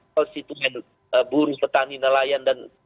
bursi tuhan buruh petani nelayan dan